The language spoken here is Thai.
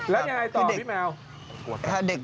แล้วยังไงต่อพี่แมว